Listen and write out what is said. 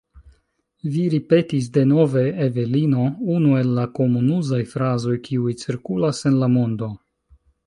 Vi ripetis denove, Evelino, unu el la komunuzaj frazoj, kiuj cirkulas en la mondo.